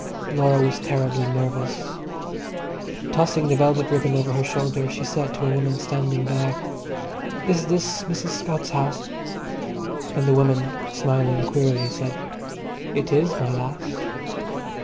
Laura was terribly nervous. Tossing the velvet ribbon over her shoulder, she said to a woman standing by, "Is this Mrs. Scott's house?" and the woman, smiling queerly, said, "It is, my lass."